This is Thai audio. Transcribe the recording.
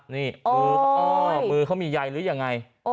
นี่มือเขามีใยหรือยังไง